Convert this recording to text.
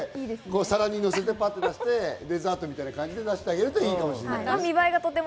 皿にのせて出して、デザートみたいな感じで出してあげるといいかもしれない。